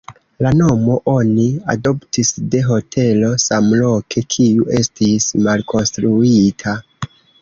La nomon oni adoptis de hotelo samloke, kiu estis malkonstruita.